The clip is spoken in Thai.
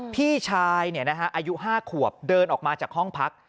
พี่ชายอายุ๕ขวบเดินออกมาจากห้องพัก